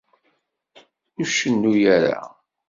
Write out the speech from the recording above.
Ur cennu ara.